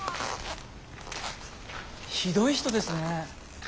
ひどい人ですねえ。